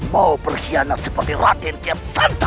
mau berkhianat seperti raden kian santa